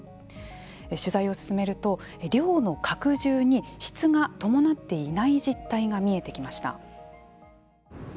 取材を進めると量の拡充に質が伴っていない実態が見えてきました。